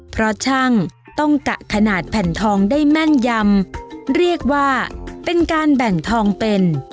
เพราะช่างต้องกะขนาดแผ่นทองได้แม่นยำเรียกว่าเป็นการแบ่งทองเป็น